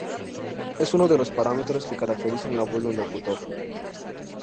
Es uno de los parámetros que caracterizan la voz de un locutor.